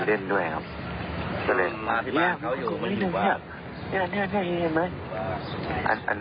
ก็เลยแอบกลุ่มนิดนึงเหี้ยเหี้ยเหี้ยเหี้ยเหี้ยเห็นมั้ย